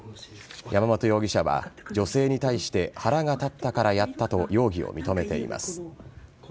山本容疑者は女性に対して腹が立ったからやったと容疑を認めています。